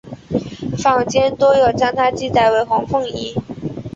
坊间多有将她记载为黄凤仪。